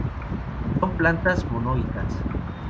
Son plantas monoicas.